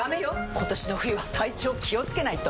今年の冬は体調気をつけないと！